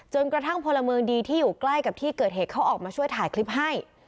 จนกระทั่งพลเมืองดีที่อยู่ใกล้กับที่เกิดเหตุเขาออกมาช่วยถ่ายคลิปให้